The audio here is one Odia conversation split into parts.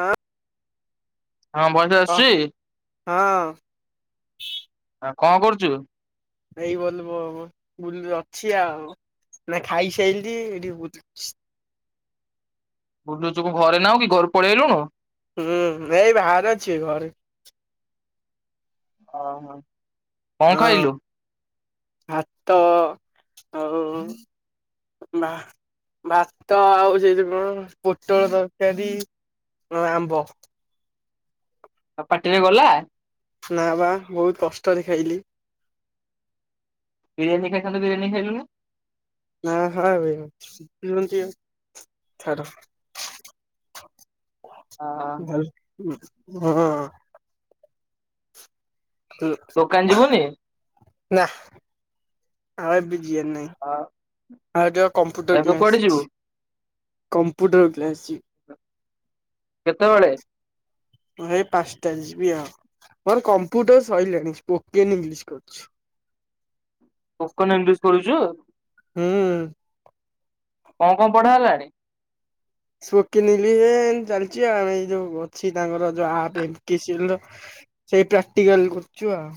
ହଁ। ହଁ ଭଏସ୍ ଅ ଆସୁଛି? ହଁ ଆ କଣ କରୁଛୁ? ଏଇ ବୋଲ ବୁଲ ଅଛି ଆଉ ନା ଖାଇସାଇଲି ଏଠି ବ ବୁଲୁଛୁ କଣ ଘରେ ନାଉ କି ଘରୁ ପାଳି ଆଇଲୁଣୁ ହୁଁ ଏଇ ବାହାରେ ଅଛି ଘରେ ଓହୋ। କଣ ହଁ ଖାଇଲୁ? ଭାତ ଆଉ ବା ଭାତ ଆଉ ସେଇଠ କଣ ପୋଟଳ ତରକାରୀ ଆମ୍ବ ଆଉ ପାଟିରେ ଗଲା? ନା ବା ବହୁତ କଷ୍ଟରେ ଖାଇଲି। ବିରିୟାନୀ ଖାଇଥାନ୍ତ ବିରିୟାନୀ ଖାଇଲୁନି ହ ହଁ ଭାଇ [unintelligible] ଭଲ୍ ହଁ। ହ ଦୋକାନ ଯିବୁନି ନା ଆଉ ଏବେ ଯିବାର ନାଇଁ। ଆଉ ଯ କମ୍ପୁଟର ଏବେ କ୍ଲାସ କୁଆଡେ ଯିବୁ ଅଛି କମ୍ପୁଟର କ୍ଲାସ ଯିବି କେତେବେଳେ? ମୁଁ ଏଇ ପାଞ୍ଚଟାରେ ଯିବି ଆଉ। ମୋର କମ୍ପ୍ୟୁଟର ସରିଲାଣି। ସ୍ପୋକେନ୍ ଇଂଲିଶ କରୁଛି। ସ୍ପୋକେନ୍ ଇଂଲିଶ କରୁଛ? ହୁଁ। କଣ କଣ ପଢା ହେଲାଣି? ସ୍ପୋକେନ୍ ଇଂଲିଶ ଏ ଚାଲିଛି ଆଉ ଏଇ ଯୋଉ ଅଛି ତାଙ୍କର ଯୋଉ ଆପ୍ ଏମ୍ ଟି ସିଲ ର ସେଇ ପ୍ରାକ୍ଟିକାଲ କରୁଛୁ ଆଉ।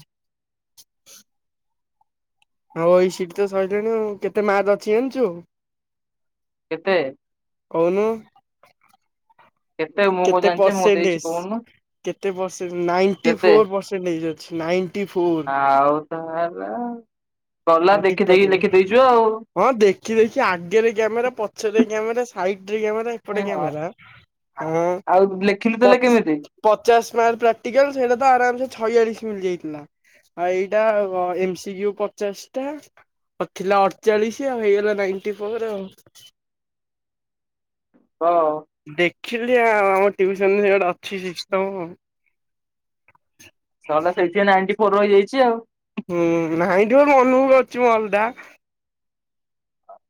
ହଉ ଏଇ ସିଟ ତ ସଇଲାଣି ଆଉ, କେତେ ମାର୍କ ଅଛି ଜଣିଛୁ? କେତେ? କୋଉନୁ ମୁଁ କଣ କେତେ ଜାଣିଛି ମୁଁ ଦେଇଛି ପରସେଣ୍ଟେଜ? କହୁନୁ କେତେ ପରସେନ ନାଇଣ୍ଟି କେତେ ଫୋର ପରସେଣ୍ଟେଜ ଅଛି ନାଇଣ୍ଟି ଫୋର। ଆଉ ତାହେଲା ଗଲା ହଉ ଟିପା ଦେଖିଦେଇକି ଟିପି ଲେଖିଦେଇଚୁ ଆଉ। ହଁ ଦେଖି ଦେଖି ଆଗେରେ କ୍ୟାମେରା ପଛରେ କ୍ୟାମେରା ସାଇଟରେ କ୍ୟାମେରା। ଏପଟେ କ୍ୟାମେରା ଓଁ ଆଉ ଲେଖିଲୁ ତାହେଲେ ପଛ କେମିତି? ପଚାଶ ମାର୍କ ପ୍ରାକ୍ଟିକାଲ ସେଇଟା ତ ଆରାମସେ ଛୟାଳିଶ ମିନିଟ ଯାଇଥିଲା ଆ ଏଇଟା ଏମ୍ସିକୁ ପଚାଶ ଆଉ ଥିଲା ଅଠଚାଳିଶ ଆଉ ହେଇଗଲା ନାଇଣ୍ଟି ଫୋର ଆଉ। ହଁ। ଦେଖିଲି ଆଉ ଆମ ଟିଉସନରେ ଗୋଟେ ଅଛି ସିଷ୍ଟମ୍ ଆଉ। ଛଟା ସେଲ୍ଫିରେ ନାଇଣ୍ଟି ଫୋର ରହିଯାଇଛି ଆଉ। ହୁଁ ନାଇଁଟି ଫୋର୍ ମନକୁ ଅଛି ମୁଁ ଅଲଟା।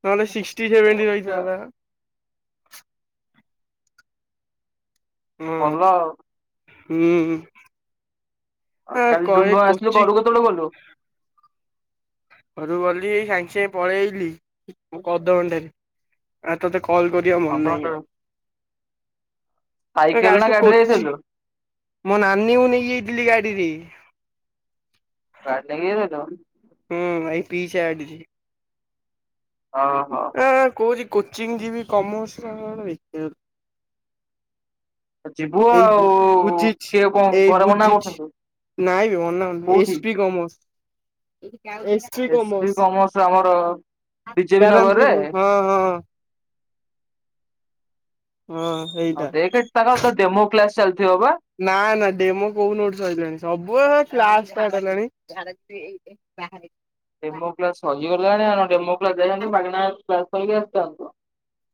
ନହେଲେ ସିକ୍ସଟି ସେଭେଣ୍ଟି ରହିଥାନ୍ତା। ହଁ ଭଲ ଆଉ। ହୁଁ। ଆଉ ଆ କାଲି କହେ ଡୁଙ୍ଗ ଆସିଥିବ କୋଚିଂ ଘରକୁ କେତେବେଳେ ଗଲୁ? ଘରୁକୁ ଗଲିଇ ସାଙ୍ଗେ ସାଙ୍ଗେ ପଳେଇଲି ଅଧ ଘଣ୍ଟାରେ ଆ ତତେ କଲ୍ କରି ସେମିତି ମନେ ଅଧଘଣ୍ଟା ନାହିଁ ଆଉ। ସାଇକେଲ ନା କାଲିଠୁ ଗାଡିରେ କୋଚି ଯାଇଥିଲୁ? ମୋ ନାନୀକୁ ନେଇଯାଇଥିଲି ଗାଡିରେ। ଗାଡି ନେଇକି ଯାଇଥିଲ? ହୁଁ ଭାଇ ପିଇସା ଗାଡି ସେ ଓହୋ। ହୋ ହଁ କହୁଛି କୋଚିଂ ଯିବି କମର୍ସର। [unintelligible] ଯିବୁ ଏଇ ଆଉ ବୁ ବୁଝଛି କିଏ କଣ ଏଇ ଘରେ ମନା ବୁଝିଛି। କରୁଛନ୍ତି ନାଇଁ ବେ ଅନା କୋଉଠି? AC P commerce A C P commerce. BJP କ୍ୟାରମ ନଗରରେ ଫିରୁ ହଁ ହଁ। [inaudible] ହଉ ଦେଖ୍ ତାଙ୍କ ତ ଡେମୋ କ୍ଲାସ ଚାଲିଥିବ ବା। ନା ନା ଡେମୋ କୋଉ ଦିନଠୁ ସରିଲାଣି ସବୁ୍ ହେ କ୍ଲାସ ଷ୍ଟାର୍ଟ ହେଲାଣି। ଏ ବାହାରେ। ଡେମୋ କ୍ଲାସ୍ ହଜିଗଲାଣି ଆ ଡେମ କ୍ଲାସ ଯାଇଥାନ୍ତୁ ମାଗଣା କ୍ଲାସ କରିକି ଆସିଥାନ୍ତୁ।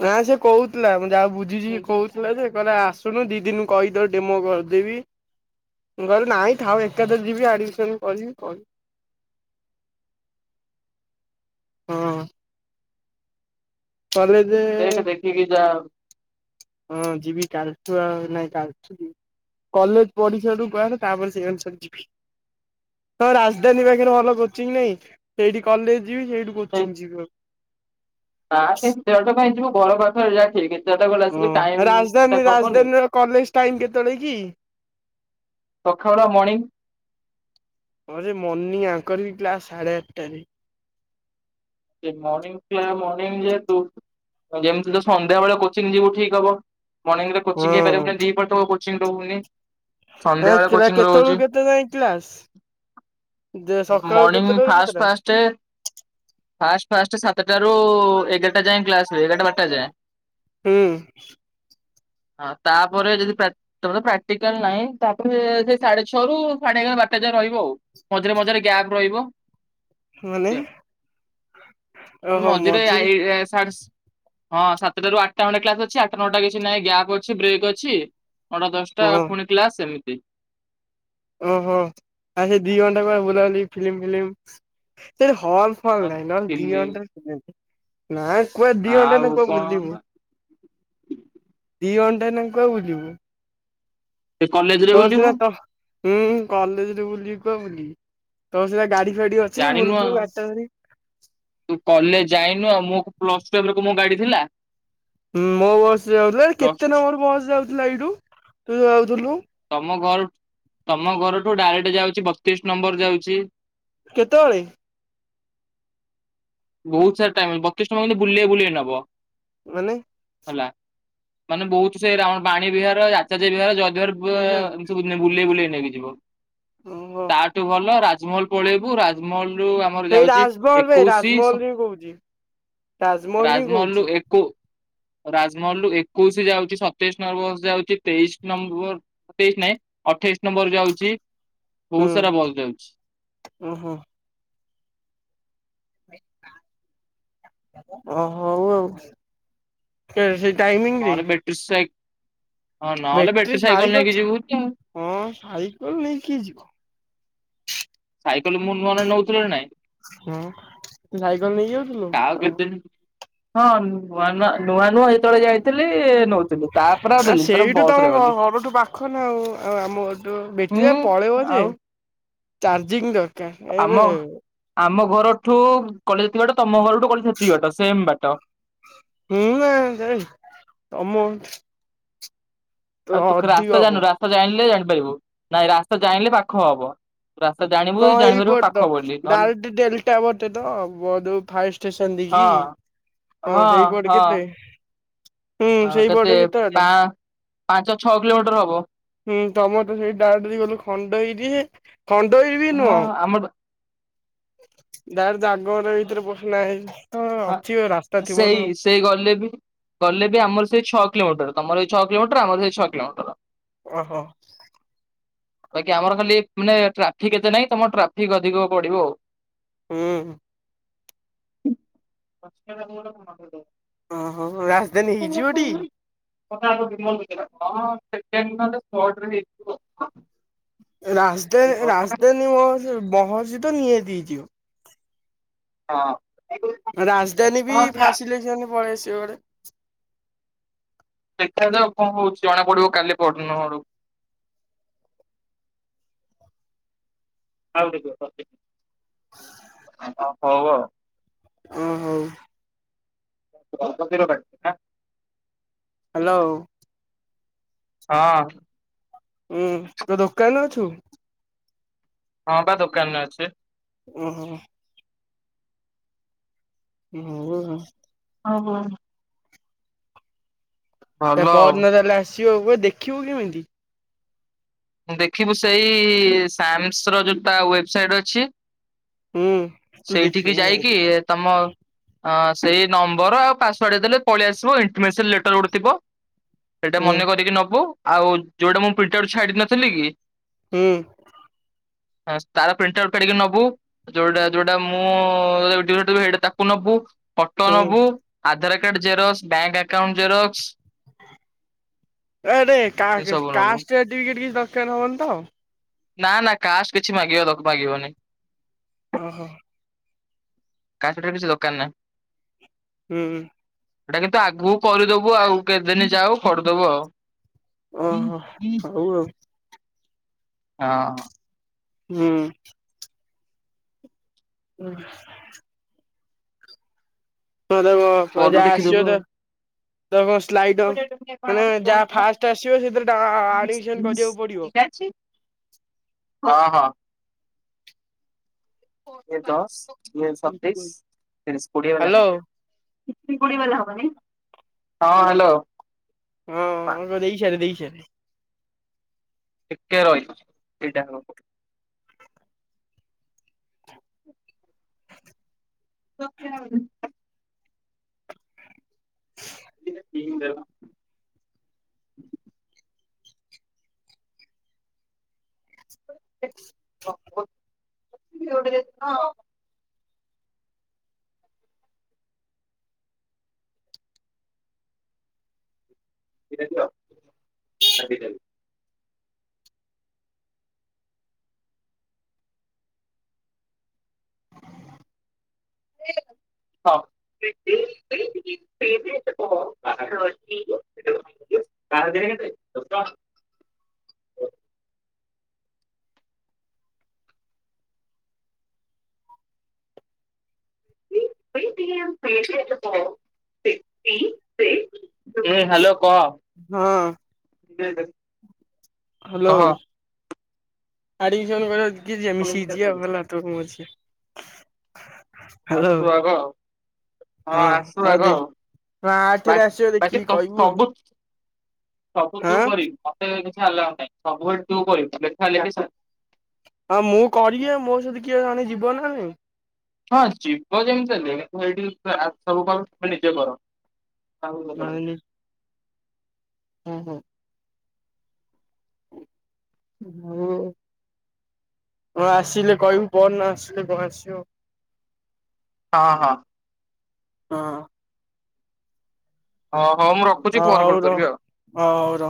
ନା ସେ କହୁଥିଲାଁ ଯାହା ବୁଝିଛି କହୁଥିଲା ସେ କହିଲା ଆସୁନୁ ଦି ଦିନି କହିଦେଉ ଡେମୋ କରିଦ। ଦେବି ମୁଁ କହିଲି ଥାଉ ନାଇଁ ଥାଉ ଏକାଥରେ ଯିବି ଆଦିମିସନ୍ କରିବି କିରି ହଁ। କଲେଜେ ଠିକି ଯା। ହଁ ଯିବି କାଲଠୁ ଆ ନାଇଁ କାଲଠୁ ଯିବି। କଲେଜ ପଢିସାରି କୁହେ ତାପରେ ସେଇ ଅନୁସରେ ଯିବି। ତ ରାଜଧାନୀ ପାଖରେ ଭଲ କୋଚିଂ ନହିଁ ସେଇଠି କଲେଜ ଯିବି ସେଇଠି କୋଚିଂ ଯିବି। ନା ବେ ଏତେ ବାଟ କାଇଁ ଯିବୁ ଘର ପାଖ ଏଟା ଠିକ୍ ଏତେ ବାଟ ଗଲେ ହଁ ଟାଇମ୍ ରାଜଧାନୀ ଟା ହବନି। ରାଜଧାନୀର କଲେଜ ଟାଇମି କେତେବେଳେ କି? ସଖାଳ ମର୍ଣ୍ଣିଂ। ହଁ ଯେ ମଣିଂ ଆଙ୍କର ବି କ୍ଲାସ୍ ସାଢ଼େ ଆଠଟାରେ। ମଣିଂ କ୍ଲାସ ମଣିଂ ଯେହେତୁ ଯେମିତି ତ ସନ୍ଧ୍ୟାବେଳେ କୋଚିଂ ଯିବୁ ଠିକ୍ ହବ। ମର୍ଣିଂରେ କୋଚିଂ ହଁ ହେଇପାରିବ କି ଦେଇ ପାରୁଥିବ କୋଚିଂ ରୁମାନେ ଏ କିଲା କେତେବେଳକୁ କେତେ ବେଳଯାଏ କ୍ଲାସ? ଯେ ସକାଳୁ ମର୍ଣ୍ଣିଂ କେତେଟାରୁ ଫାଷ୍ଟ କେତେଟା? ଫାଷ୍ଟେ ଫାଷ୍ଟ ଫାଷ୍ଟ ସାତଟାରୁ ଏଗାରଟା ଯାଏ କ୍ଲାସୁ ହୁଏ ଏଗାରଟା ବାରଟା ଯାଏ। ହୁଁ। ହଁ ତାପରେ ଯଦି ପା କେବଳ ପ୍ରାକ୍ଟିକାଲ ନାହିଁ ତାପରେ ସେ ସାଢେ ଛଅରୁ ସାଢେ ଏଗାର ବାରଟା ଯାଏଁ ରହିବ ଆଉ। ମଝିରେ ମଝିରେ ଗ୍ୟାପ୍ ରହିବ। ମାନେ? ମଝିରେ ଆ ଇ ସାଢେ ହଁ ସାତଟାରୁ ଆଠଟା ଖଣ୍ଡେ କ୍ଲାସ ଅଛି। ଆଠଟା ନଅଟା କିଛି ନାହିଁ ଗ୍ୟାପ୍ ଅଛି ବ୍ରେକ୍ ଅଛି। କଣ ଦଶଟା ହଁ ଫୁଣିି କ୍ଲାସ ସେମିତି। ଓହୋ ଆଉ ସେ ଦି ଘଣ୍ଟା ପୁରା ବୁଲାବୁଲି ଫିଲ୍ମ ଫିଲ୍ମ ସେଇଟି ହଲ ହଲ ନାହିଁ ନହେଲେ ଦି ଘଣ୍ଟାରେ [unintelligible] ନାଇ କୁଆଡେ ଦି ଘଣ୍ଟା ଏଇନା ଆଉ କୁଆଡେ କଣ ବୁଲିବୁ। ଦି ଘଣ୍ଟା ଏଇନା କୁଆଡେ ବୁଲିବୁ? ସେ କଲେଜରେ ତୋର ବୁଲିବୁ ସିନା ତ ହୁଁ କଲେଜରେ ବୁଲିବି କୁଆଡେ ବୁଲିବି ତୋର ସିନା ଗାଡି ଫାଡି ଅଛି ଜାଣିିନୁ ବୁଲୁଥିବୁ ଆଉ। ଗାଡିଟା ଧରି। ତୁ କଲେଜ ଯାଇନୁ ଆଉ ମୋ ପ୍ଲସ୍ ଟୁ ଟାଇମ୍ ମୋ ଗାଡି ଥିଲା? ହୁଁ ମୋ ବସ୍ ରେ ଯାଉଥିଲା ଆରେ କେତେ ପ୍ଲସ ନମ୍ବର ବସ୍ ଯାଉଥିଲା ଏଇଠୁ ତୁ ଯାଉଥୁଲୁ। ତମ ଘର ତମ ଘରଠୁ ଡାଇରେକ୍ଟ ଯାଉଚି ବତିଶ ନମ୍ବର ଯାଉଚି। କେତେବୋଳେ? ବୋହୁତ ସାରା ଟାଇମ୍ ବତିଶ ଟଙ୍କା କିନ୍ତୁ ବୁଲେଇ ବୁଲେଇ ନବ। ମାନେ ହେଲା ମାନେ ବୋହୁତ ସେ ରାଉଣ୍ଡ ବାଣୀ ବିହାର, ଆଚାଯ୍ୟ ବିହାର ଜୟଦେବ ହେ ହେ ବିହାର ସବୁ ବୁଲେଇ ବୁଲେଇ ନେଇକି ଯିବ ଓହୋ ତା ଠୁ ଭଲ ରାଜମହଲ ପଳେଇବୁ ରାଜମହଲ ରୁ ସେଇ ଯାଉଚି ରାଜମହଲ ବେ ଏକୋଇଶି ରାଜମହଲ ସ ହିଁ କହୁଛି। ତାଜମହଲ ହିଁ ରାଜମହଲରୁ କହୁଛି ଏ କୋ ରାଜମହଲରୁ ଏକୋଇଶି ଯାଉଚି ସତେଇଶ ନମ୍ବର ଯାଉଚି ତେଇଶି ନମ୍ବର ସେତେଇଶି ନାଇଁ ଅଠେଇଶ ନମ୍ବର ଯାଉଚି ବୋହୁତ ସାରା ବସ୍ ଯାଉଚି। ଓ ହୋ। ଓ ହୋଉ ଆଉ। ସେ ସେ ଟାଇମିଙ୍ଗ ରେ ବେଟ୍ରି ସାଇ ହଁ ନହେଲେ ବେଟ୍ରି ସାଇକେଲ ନେଇକି ଯିବୁ ତୁ। ହଁ ସାଇକେଲ ନେଇକି କିଏ ଯିବ। ସାଇକେଲ ମୁଁ ନୂଆ ନୂଆ ନୋଉଥିଲ ନାଇଁ? ହୁଁ ତୁ ସାଇକେଲ ନେଇକି ଯାଉଥିଲୁ କାହାକୁ ଆ ହଁ। କେତେ ହଁ ନୂଆ ନୂଆ ନୂଆ ନୂଆ ଯେତେବେଳେ ଯାଇଥିଲି ନୋଉଥିଲି ତାପରେ ଆଉ ନେଲିନି ତାପରେ ବସ୍ ରେ ଗଲି। ଦେଖନା ଆଉ ଆଉ ଆମ [unintelligible] ବେଟ୍ରି ହୁଁ ଗାଡି ପଳେଇବ ଯେ ଆଉ ଚାର୍ଜିଂ ଦରକାର ଆମ ଏବେ ଆମ ଘରଠୁ କଲେଜ ଯେତିକ ବାଟ ତମ ଘରଠୁ କଲେଜ ସେତିକ ବାଟ ସେମ୍ ବାଟ। ମୁଁ ଜାଣିନି କାଇଁ ତମ ଆଉ ତୁ ଖ ରାସ୍ତା ଅଧିକ ଜାଣିନୁ ହବ ରାସ୍ତା ଜାଣିଲେ ଜାଣିପାରିବୁ ନାଇଁ ରାସ୍ତା ଜାଣିଲେ ପାଖ ହବ। ରାସ୍ତା ଜାଣିବୁ କଣ ଜାଣିପାରିବୁ ପାଖ ଏଇପଟ ବୋଲି ନହେଲେ [unintelligible] ଯୋଉ ଫାୟାର ଷ୍ଟେସନ ହଁ ଦେଇକି। ହଁ ସେଇପଟେ କେତେ? ହୁଁ ହଁ କେତେ ସେଇପଟେ ବାଟ ପା-ପାଞ୍ଚ ଛଅ କିଲୋମିଟର ହବ। ହୁଁ ତମର ତ ସେଇ ଡାରେକ୍ଟ ଗଲୁ ଖଣ୍ଡଗିରିରେ ଖଣ୍ଡଗିରି ବି ହଁ ନୁହଁ। ଆମର ଡାଇରେକ୍ଟ ଜାଗମର ଭିତରେ ପସିକିନା [unintelligible] ଆ ସେଇ ସେଇ ଗଲେ ବି ଗଲେ ବି ଆମର ସେଇ ଛଅ କିଲୋମିଟର ତମର ସେଇ ଛଅ କିଲୋମିଟର ଆମର ସେଇ ଛଅ କିଲୋମିଟର। ଓହୋ। ବାକି ଆମର ଖାଲି ମାନେ ଟ୍ରାଫିକ ଏତେ ନାହିଁ ତମର ଟ୍ରାଫିକ ଅଧିକ ପଡିବ ଆଉ। ହୁଁ। [unintelligible] ଓ ହୋ ରା [unintelligible] [unintelligible] [unintelligible] ହଁ। ରାଜଧାନୀ ବି ସେଇଆ ଫାଶିଲେଶନରେ ପଳେଇ ଆସିବ। ସେଠା ତ କଣ ହଉଛି ଜଣା ପଡିବ କାଲି ପନୁ ଆଡୁ କୁ। [unintelligible] [inaudible] ହ ହଉ ଆ। ଓହୋ। [unintelligible] ହ୍ୟାଲୋ। ହଁ। ଉଁ ତୁ ଦୋକାନରେ ଅଛୁ। ହଁ ବା ଦୋକାନରେ ଅଛି। ଓ ହୋ। [unintelligible] ହଉ ହଉ। ତା ଭଲ ପର ଆଉ। ଦିନ ତାହେଲେ ଆସିବ ଦେଖିବ କେମିତି? ଦେଖିବୁ ସେଇ ସାମସ ର ଯୋଉଟା ୱେବସାଇଟ୍ ଅଛି। ହୁଁ। ତୁ ଦେଖିବୁ ସେଇଠିକି ମୁଁ ଯାଇକି ଜାଣିପାରେ ତମ ହଁ ସେଇ ନମ୍ବର ଆଉ ପାସୱାର୍ଡ ଦେଲେ ପଳେଇ ଆସିବ ଇଣ୍ଟିମେସନ୍ ଲେଟର ଗୋଟେ ଥିବ। ସେଇଟା ହୁଁ ମନେ କରିକି ନବୁ ଆଉ ଯୋଉଟା ମୁଁ ପ୍ରିଣ୍ଟ ଆଉଟ ଛାଡି ନଥିଲି କି ହୁଁ। ହଁ ତାର ପ୍ରିଣ୍ଟ ଆଉଟା ଟିକେ ନବୁ ଯୋଉଟା ଯୋଉଟା ମୁଁ [unintelligible] ସେଇଟା ତାକୁ ନବୁ। ଫଟୋ ହୁଁ। ନବୁ, Aadhaar card xerox, bank account xerox. ଏରେ କା ଏ ସବୁ ନବୁ। କାଷ୍ଟ ସାର୍ଟିଫିକେଟ କିଛି ଦରକାର ହବନି ତ? ନା ନା କାଷ୍ଟ କିଛି ମାଗିବ ତାକୁ ମାଗିବନି। ଓହୋ। କାଷ୍ଟ ସାର୍ଟିଫିକେଟ କିଛି ଦୋକାନ ନାଇ। ହୁଁ। ଏଇଟା କିନ୍ତୁ ଆଗକୁ କରିଦବୁ ଆଉ କେତେଦିନି ଯାଉ କରିଦେବୁ ଆଉ। ଓହୋ ହଁ ହଉ ଆଉ। ହଁ। ହୁଁ। [inaudible] ହଁତ କ ଫୋନ୍ ରୁ ଯା ଆସିବ ଦେଖିଦବୁ ଆଉ। ତ ତ କଣ ସ୍ଲାଇଡପ ମାନେ ଯାହା ଫାଷ୍ଟ ଆସିବ ସେଥିରେ ଆ ଆଡ଼ମିସନ କରିବାକୁ ପଡିବ? ଚାଛିି। ହଁ ହଁ। ଦଶ ଇଏ ସତେଇଶ ତିରିଶ କୋଡିଏ ହେଲା ହ୍ୟାଲୋ। ନ ନାଇ। ହଁ ହ୍ୟାଲୋ। ହଁ ଦେଇ ସାରେ ଦେଇ ସାରେ। ଟିକେ ରହିଥ ସେଇଟା ହବ। [inaudible] [unintelligible] [unintelligible] ଦିଟା ଦିଅ ଆଉ ଦିଟା ଦିଅ। ହଁ। [inaudible] [unintelligible] [unintelligible] ଏ ହ୍ୟାଲୋ କହ ହଁ ହ୍ୟାଲୋ। କହ। ଆଡମିସନ ବେଳକୁ ମିଶିକି ଜିୟା ଗଲା ବେଳକୁ ତୋର ମୋର ମିଶିକି ଜୀୟା। ଆସୁ ଆଗ। ହଁ ଆସୁ ହଉ ଆଗ ଦେ ଆଉ ହଁ ବା ଆଠରେ ଆସିବ ବାକି ଦେଖିକି ତ କହିବୁ ଆଉ ସବୁ ସବୁ ତୁ ହଁ କରିବୁ ମତେ କିଛି ଆଲାଉ ନାହିଁ ସବୁବେଳେ ତୁ କରିବୁ ଲେଖା ଲେଖି ହଁ ମୁଁ କରିବି ମୋ ସହିତ କିଏ ଜଣି ଯିବ ନାଇଁ। ହଁ ଯିବ ଯେମିତି ହେଲେ ସେଇଠି ସବୁ କଣ ନିଜେ କର। ତାଉ ନାଇଁ ହଁ ହଁ। ହ କଣ ଆସିଲେ କହିବୁ କନ ନା ଆସିଲେ କଣ ଆସିବ। ହଁ ହଁ। ହଁ। ହଁ ହଁ ମୁଁ ରଖୁଛି ପରେ ହଉ କଲ୍ ରହ କରିବି ଆଉ। ହଁ ହଉ ର।